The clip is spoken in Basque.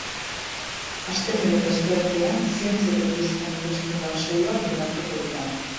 Astelehen eta asteartean zientzia eta industria ministroen lan saioak indartuko dira.